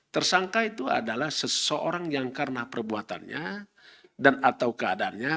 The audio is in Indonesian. tersangka itu adalah seseorang yang karena perbuatannya dan atau keadaannya